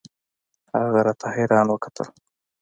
هغه راته حيران وکتل.